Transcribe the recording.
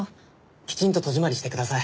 きちんと戸締まりしてください。